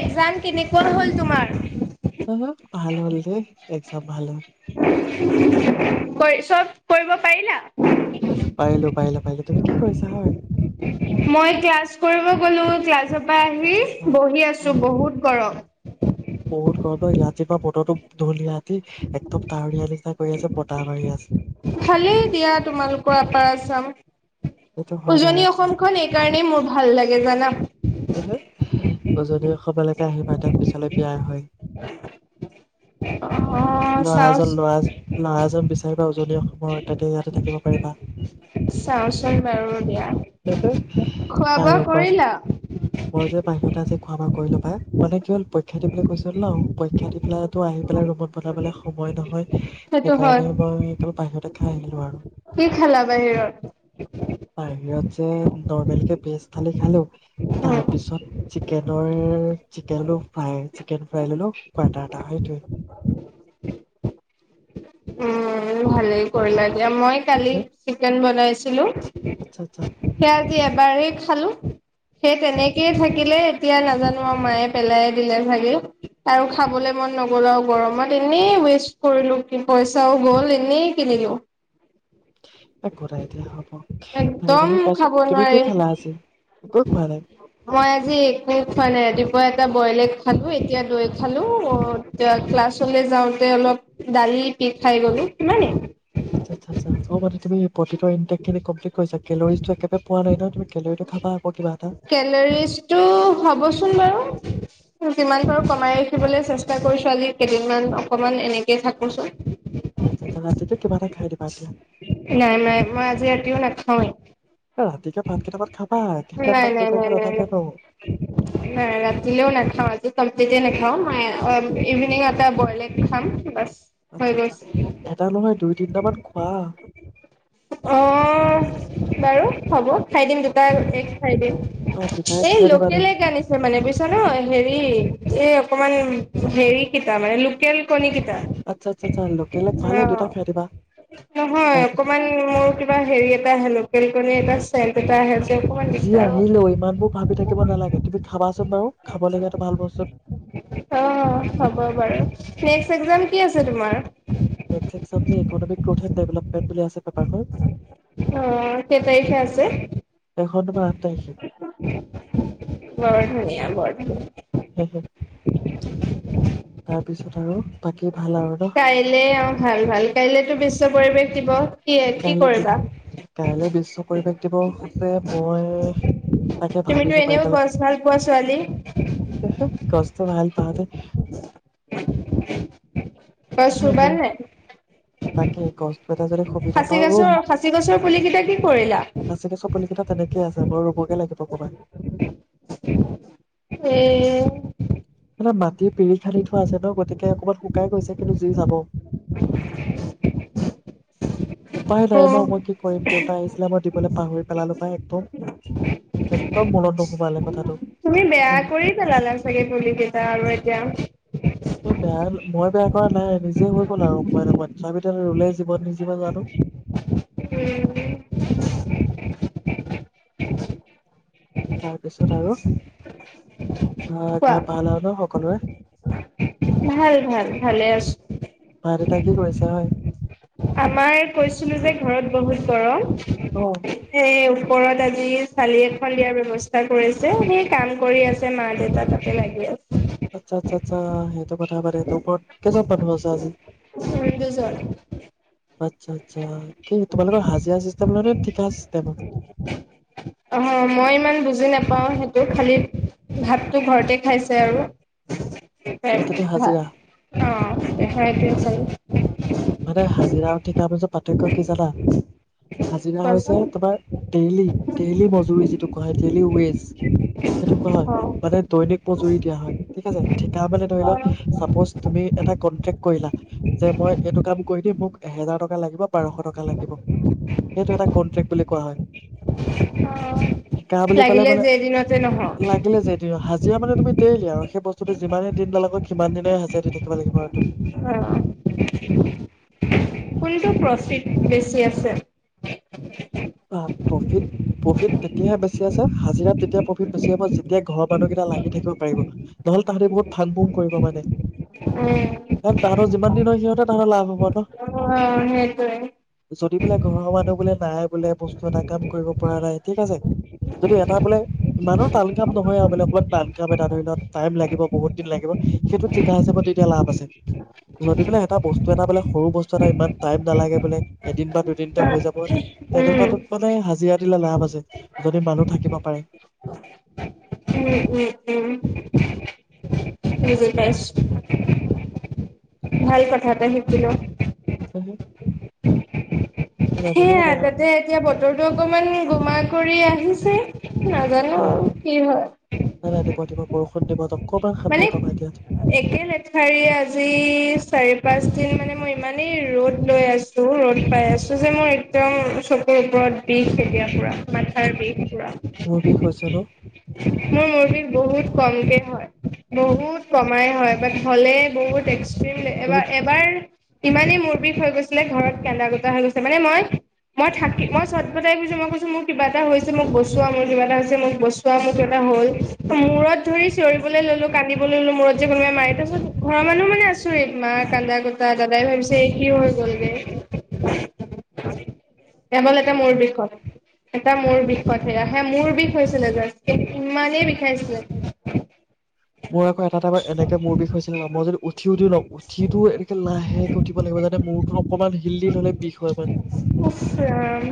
Exam কেনেকুৱা হ'ল তোমাৰ? হেল্ল' ভাল হ'ল দে এই চব ভাল হয়। [unintelligible] চব কৰিব পাৰিলা? পাৰিলো পাৰিলো পাৰিলো, তুমি কি কৰিছা হয়? মই ক্লাছ কৰিব গ'লো ক্লাছত পা আহি আচ্ছা আচ্ছা বহি আছো উম, বহুত গৰম তহত এয়াত যেবা বতৰটো ধুনীয়া কি একদম ডাৱৰীয়া নিচিনা কৰি আছে বতাহ মাৰি আছ ভালেই দিয়া তোমালোকৰ আপাৰ আচাম। সেইটো হয় বাৰু উজনি অসমখন এই কাৰণেই মোৰ ভাল লাগে জানা। উজনি অসমলেকে আহিবা দিয়া পিছলে বিয়া হৈ। অ' ল'ৰা এজন ল'ৰা চাওঁচোন। ল'ৰা এজন বিচাৰিবা উজনি অসমৰ তেতিয়া ইয়াতে থাকিব পাৰিবা। চাওঁচোন বাৰু দিয়া। খোৱা বোৱা বাৰু কোৱাচোন। কৰিলা? মই যে বাহিৰতে আজি খোৱা বোৱা কৰিলো পাই মানে কি হ'ল পৰীক্ষা দিবলৈ গৈছিলো ন? পৰীক্ষা দি পেলাই আহি পেলাই ৰুমত বনাবলে সময় নহয়। সেইটো হয়। সেইকাৰণে মই তো বাহিৰতে খাই আহিলো আৰু কি খালা বাহিৰত? বাহিৰত যে নৰ্মেল কে ভেজ থালি খালো। তাৰ পিছত চিকেনৰ চিকেন ফ্ৰাই চিকেন ফ্ৰাই ললো কোৱাৰ্টাৰ এটা সেইটোৱে উম ভালেই কৰিলা দিয়া, মই কালি হে, চিকেন বনাইছ হেল্ল' আচ্ছা আচ্ছা। খালি এবাৰেই খালো সেই তেনেকেই থাকিলে এতিয়া নাজানো আৰু মায়ে পেলাই দিলে চাগে আৰু খাবলৈ মন নগ'ল আৰু গৰমত এনেই ৱেষ্ট কৰিলো। পইচাও গ'ল এনেই কিনিলো একো নাই দিয়া হ'ব, হেৰি একদম নহয় কোৱাচোন খাব তুমি কি নোৱাৰি খালা আজি? একোৱেই খোৱা নাই? এ বইলে খালো, এতিয়া দৈ খালো, অ ক্লাছলে যাওঁতে অলপ- দালি পি খাই গলো সিমানে? আচ্ছা আচ্ছা আচ্ছা অ মানে তুমি- প্ৰটিনৰ ইনটেক্টখিনি কমপ্লিট কৰিছা? কেলৰিজটো একেবাৰে পোৱা নাই নহয়, তুমি কেলৰিটো খাবা আকৌ কিবা এটা। কেলৰিজটো হ'বচোন বাৰু যিমান পাৰো কমাই ৰাখিবলৈ চেষ্টা কৰিছো আজি কেইদিনমান অকমান এনেকেই থাকোচোন আচ্ছা- আচ্ছা ৰাতিকে কিবা এটা খাই দিবা এতিয়া। নাই নাই মই আজি ৰাতিও নাখাৱেই ৰাতিকে ভাত কেইটামান খাবা নাই, একেবাৰে নাই পাত নাই টুকুৰাকে নাই নাই নাথাকে ন নাই ৰাতিলেও নেখাওঁ আজি কমপ্লিটে নেখাওঁ। [unintelligible] ইভিনিং এটা বইলে এগ দি খাম বচ। হৈ আচ্ছা আচ্ছা গৈছে। এটা নহয় দুই তিনটামান খোৱা অহ বাৰু- হ'ব। খাই দিম দুটা খাই দিম। অ তেতিয়াই এই খাই দিবা ধৰি লোকেল এগ আনিছে মানে বুজিছা নে হেৰি এ অকমান হেৰি কেইটা মানে, লোকেল কণী কি অ' আচ্ছা আচ্ছা আচ্ছা লোকেল এক ভাল হয় দুটা খাই দিবা নহয়, তাৰপিছত অকনমান মোৰ কিবা হেৰি এটা হে লোকেল কণী এটা- চেণ্ট এটা আহে- তেল অকনমান দি যি আহিলেও ইমানবোৰ ভাবি থাকিব নালাগে, তুমি খাবা চোন বাৰু। খাবলগীয়া এটা ভাল বস্তু অ', হ'ব বাৰু [inaudible] এক্সাম কি আছে তোমাৰ? নেক্সট এক্সাম যে ইকোনমিক গ্ৰথ এণ্ড ডেভেলপমেণ্ট বুলি আছে পেপাৰখন। অ', কেই তাৰিখে আছে? এখন তোমাৰ আাঠ তাৰিখে। বৰ ধুনীয়া, বৰ ধুনীয়া। তাৰ পিছ ত আৰু বাকী ভাল আৰু ন কাইলে অ' ভাল, ভাল কাইলেতো বিশ্ব পৰিৱেশ- দিব কাইলে বি, কাইলেও বিশ্ব পৰিৱেশ দিৱস যে মই তাকে তুমিতো ভাবিছোঁ এনেও গছ ভাল পোৱা ছোৱালী [unintelligible] গছ মই ভাল পাওঁতে গছ হে ৰুবা বৌ, নে নাই? তাকে গছ এটা যদি খুব খাচী তাপা ৰুম, গছৰ খাচী গছৰ পুলি কেইটা কি কৰিলা? আছেগে চব পুলিকেইটা তেনেকেই আছে, মই ৰোব গেলে [inaudible] এ আমাৰ মাটিৰ পিৰি খান্দি থোৱা আছে ন'? গতিকে অকমান শুকাই গৈছে কিন্তু জুই যাব। উপায় নাই অ', ন' মই কি কৰিম? দেউতা আহিছিলে মই দিবলৈ পাহৰি পেলালোঁ পাই একদম। একদম মনত নোসোমালে কথাটো। তুমি বেয়া কৰি পেলালা চাগে পুলি কেইটা আৰু এতিয়া উম। মই বেয়া, মই বেয়া কৰা নাই নিজ হৈ গ'ল আৰু অকণমান, অকণমান। [unintelligible] উমম। তাৰপিছত আৰু? অ' কোৱা ঘৰত ভাল আৰু ন সকলোৰে? ভাল, ভাল, ভালে আছো। মা দেউতা কি কৰিছে হয়। আমাৰ কৈছিলো যে ঘৰত বহুত গৰম। অ সেই ওপৰত আজি চালি এখন দিয়াৰ ব্যৱস্থা কৰিছে, সেই কাম কৰি আছে মা-দেউতা তাকে লাগি আছে। আচ্ছা, আচ্ছা, আচ্ছা তোৰ কথা বাদ দে, তই ওপৰত কেইজন মানুহ আছে আজি? দুজন আচ্ছা আ কি তোমালোকৰ হাজিৰা চিষ্টেম নে ঠিকা চিষ্টেম পাওঁ সেইটো খালী ভাতটো ঘৰতে খাইছে আৰু অ তাতে হাজিৰা। অ হয় চল [unintelligible] মানে হাজিৰা ঠিকা পিছত তকয় কি জানা হাজিৰা হৈছে কোৱাচোন তোমাৰ ডেইলি ডেইলি মজুৰি যিটো কোৱা হয় ডেইলি ৱেজ সেইটো কোৱা হয় অ মানে দৈনিক মজুৰি দিয়া হয় ঠিক আছে ঠিকা মানে ধৰি লও চাপজ তুমি এটা কনটেক কৰিলা যে মই এইটো কাম কৰি দিয় মোক এহেজাৰ টকা লাগিব বাৰশ টকা লাগিব সেইটো এটা কন্ট্ৰেক্ট বুলি কোৱা হয় শিকাহ বুলি ক'লে লাগিলে মানে যে এদিনতে নহওক লাগিলে যে এইটোজ [unintelligible] যিয় মানে তুমি তেলি আৰু সেই বস্তুটো যিমানেই দিন নালাগক কিমান দিনে হাজিৰা থাকিব লাগিব আৰু তুমি অ [inaudible] কোনটো প্ৰফিট বেছি আছে অ প্ৰফিট প্ৰফিট তেতিয়াহে বেছি আছে হাজিৰা তেতিয়া প্ৰফিট বেছি হব যেতিয়া ঘৰৰ মানুহকেইটা লাগি থাকিব পাৰিব নহ'লে তাহাঁতে বহুত ফাং ফুং কৰিব মানে উম কাৰণ তাহাঁতৰ যিমান দিন হয় সিহঁতে তাহাঁতৰ লাভ হব বতো অ সেইটোৱে যদি বোলে ঘৰৰ মানুহ বোলে নাই বোলে বস্তু এটা কাম কৰিব পৰা নাই ঠিক আছে যদি এটা বোলে ইমানো টান কাম নহয় আৰু বোলে অকমান টান কাম এটা ধৰি ল টাইম লাগিব বহুত দিন লাগিব সেইটো ঠিকা হিচাপত দি দিব লাভ আছে যদি বোলে এটা বস্তু এটা বোলে সৰু বস্তু এটা ইমান টাইম নালাগে বোলে এদিন বা দুদিনতে হৈ যাব উম তেনেকুৱাটোত মানে হাজিৰা দিলে লাভ আছে যদি মানুহ থাকিব পাৰে উ উ উম উম গম পাইছো ভাল কথা এটা শিকিলোঁ হ সেয়া তাতে এতিয়া বতৰটো অকনমান গোমাত কৰি আহিছে নাজানো আৰু ৰাতিপুৱা কি হয় সন্দত [unintelligible] দিব তক মানে একে লেঠাৰীয়ে আজি চাৰি পাঁচ দিন মানে মই ইমানেই এ ৰ'দ লৈ আছো ৰ'দ পাই আছো যে মোৰ এক্দম চকুৰ ওপৰত বিষ এতিয়া পুৰা মাথাৰ বিষ মোৰ বিষ হৈছে ন [unintelligible] মোৰ মূৰ বিষ বহুত কমকে হয় বহুত কমাই হয় ব হ'লে বহুত এক তুমি এবাৰ এবাৰ ইমানেই মূৰ বিষ হৈ গৈছিলে ঘৰত কান্দা কাটা হৈ গৈছে, মানে মই মই থাকি মই চত ফটাই ফুইছো মই কৈছো মোৰ কিবা এটা হৈছে মোক বচোৱা মোৰ কিবা এটা হৈছে মোক বচোৱা মোৰ কিবা এটা হল মূৰত ধৰি চিঞৰি লৈ ললো কান্দিব ললো মূৰত যে কোনোবাই মায়ত ঘৰৰ মানুহ মানে আছোঁৰি মা কান্দা কোতা দাদাই ভাবিছে এই কি হৈ গলগে কেৱল এটা মোৰ বিষয় এটা মোৰ বিষত সেয়া সে মোৰ বিষ হৈছিলে যে ইমানেই বিষাইছিলে মোৰ আকৌ এটা টাইমাৰ এনেকে মোৰ বিষ হৈছিলে মই যদি উঠি উঠিও ন উঠিটো এনেকে লাহেকে উঠিব লাগিব যোন মূৰটো অকমান শিলডিল হলে বিষ হয় মানে উফ ৰাম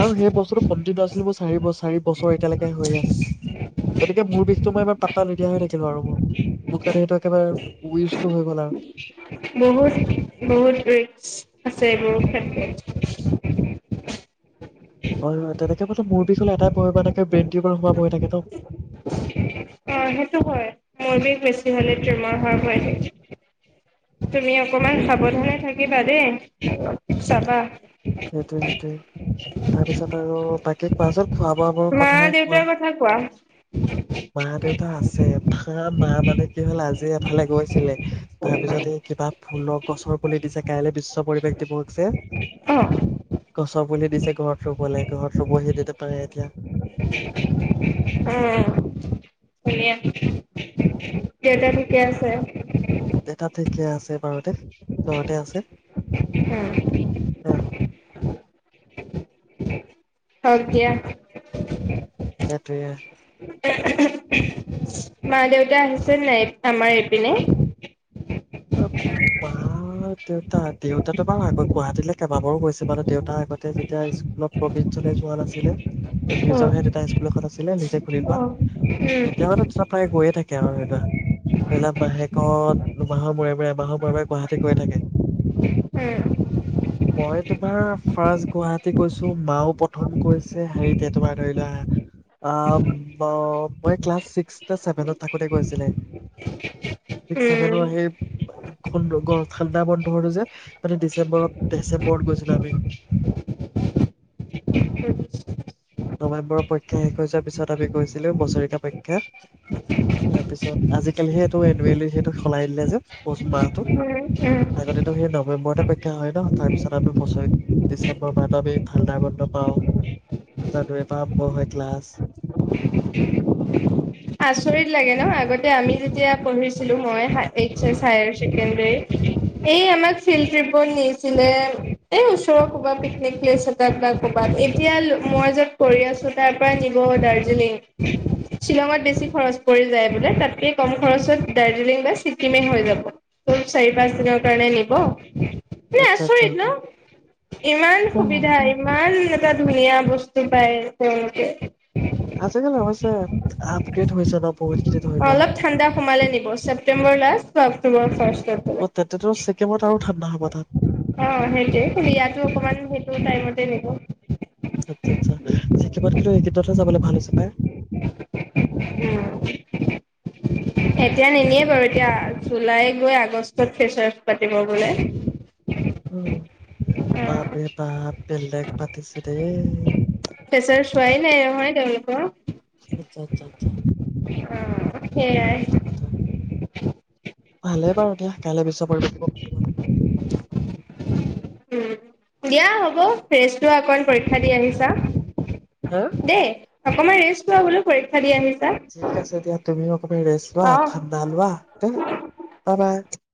আৰু সেই বস্তুটো কণ্টিনিউ আছিল মোৰ চাৰি চাৰি বছৰ এতিয়ালৈকে হৈ আছে গতিকে মোৰ বিষটো মই ইমান পাত্তা হৈ নেিল আৰু মোৰ মোৰ কাৰণে সেইটো একেবাৰে উইচটো হৈ গল আৰু বহুত [unintelligible] লক [unintelligible] হয় হয় তেনেকে বলো মোৰ বিষ হলে ত পঢ়ৰ পৰাক [unintelligible] ে বেন্টিৰ পৰাাৰ খোৱা বহ থাকে ত [unintelligible] মই বিষ বেছি হলে তিওমাস হোৱাৰ ভয় থাকে তুমি অকমান সাৱধানে থাকিবা দেই। চাবা সেইটোৱে সেইটোয়ে, তাৰপিছত আৰু বাকীক কোৱা চোন খোৱা বোৱা বোৰ মা কথা কোৱা, দেউতাৰ কথা কোৱা মা দেউতা আছে মা মা মানে কি হল আজি এফালে গৈছিলে তাৰপিছতে কিবা ফুলৰ গছৰ পুলি দিছে কাইলৈ বিশ্ব পৰিৱেশ দিৱস যে অ গছৰ পুলি দিছে ঘৰত সবে ঘৰব বহি দ [unintelligible] পতিয়া [unintelligible] আহ ধুনীয়া দেতা ঠিকে আছে থিকে আছে বাৰুতে তহতে আছে উম আহ হক দিয়া [unintelligible] সেইটোৱে [unintelligible] মা দেউতা আহিছে নাই আমাৰ এইপিনে অ ব [unintelligible] দেউতা দেউতাটো বাৰু আগত গুৱাহাটীলৈ কেইবাবাৰো গৈছে মাৰু দেউতা আগতে যেতিয়া স্কুলত প্ৰভিন্ঞ্চলৈ যোৱা নাছিলে অ নিজৰ সেই তে স্কুল এখন আছিলে নিজে খুলি অ লোৱা উম তেতিয়া দু প্ৰায়ে গৈয়ে থাকে আও [unintelligible] মাহেকত বাৰে বাৰে এমাহৰ মুৰে‌ মুৰে গুৱাহাটী গৈ থাকে উম মই তোমাৰ ফাৰ্চট গুৱাহাটী গৈছো মাও প্ৰথম গৈছে হেৰিতে তোমাৰ ধৰি লোৱা মই ক্লাছ ছিক্স নে ছেভেনত থাকোঁতে গৈছিলে ছিক্স ছেভেনৰ উম সেই ঠাণ্ডা বন্ধ হল যে মানে ডিচেম্বৰত ডিচেম্বৰত গৈছিলো আমি উম নৱেম্বৰৰ পৰীক্ষা শেষ হৈ যোৱাৰ পিছত আমি গৈছিলো বছৰেকীয়া পৰীক্ষা, তাৰপিছত আজিকালি সেইটো এনুৱেলি সেইটো সলাই দিলে যে মাহটো উম আগতেতো সেই নৱেম্বৰতে পৰীক্ষা হয় ন, তাৰ পিছত আমি বছৰি ডিচেম্বৰ মাহতো আমি ঠাণ্ডা বন্ধ পাওঁ জানুৱাৰী ৰ পৰা আৰম্ভ হয় ক্লাছ আচৰিত লাগে ন আগতে আমি যেতিয়া পঢ়িছিলো মই এইচ অ এছ হায়াৰ চেকেণ্ডী এই আমাক ফিল্ড ট্ৰিপত নিছিলে, এই ওচৰৰ ক'বাত পিকনিক প্লেচ এটাত বা ক'বাত এতিয়া মই য'ত কৰি আছো তাৰ পৰা নিব দাৰ্জিলিং, শ্বিলঙত বেছি খৰচ পৰি যায় বোলে তাতকে কম খৰচত দাৰ্জিলিং বা ছিকিমে হৈ যাব ত' চাৰি পাঁচ দিনৰ কাৰণে নিব। নে আচ্ছা আচ্ছা আচৰিত ন ইমান অ সুবিধা ইমান এটা ধুনীয়া বস্তু পায় তেওঁলোকে আছে কিন্তু নহৈছে আপগ্ৰেদ হৈছে ন বহুত খিনি ধৰি অ লোৱা অলপ ঠাণ্ডা সোমালে নিবি ছেপ্টেম্বৰ লাষ্ট বা অক্টোবৰ ফাৰ্ষ্ট অ', তেন্তেতো ছিকিমত আৰু ঠাণ্ডা হ'ব তাত সেইটোৱে ইয়াতো অকমান সেইটো টাইমত নি [unintelligible] আচ্ছা আচ্ছা ছিকিমত কিন্তু এইকেদিনত হে যাবলৈ ভাল হৈছে পাই এতিয়া নিনিয়ে বাৰু এতিয়া জুলাই গৈ আগষ্টত ফেচাৰচ পাতিব বোলে অ বাপৰে বাপ বেলেগ পাতিছে দেই ফেচাৰ্চ চোৱাই নাই নহয় তেওঁলোকৰ অ' আচ্ছা আচ্ছা উম সেইটো কথা, ভালেই বাৰু দিয়া কাইলৈ পিছ [unintelligible] উম দিয়া হ'ব ফ্ৰেছ হোৱা অকণ, পৰীক্ষা দি আহিছা হা দেই অকণমান ৰেষ্ট লোৱা বোলো পৰীক্ষা দি আহি ঠিক আছে দিয়া তুমি ত ৰেষ্ট লোৱা অ ঠাণ্ডা লোৱা বাই বাই